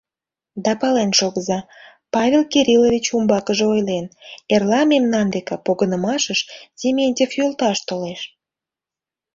— Да пален шогыза, — Павел Кириллович умбакыже ойлен: — эрла мемнан деке погынымашыш Дементьев йолташ толеш.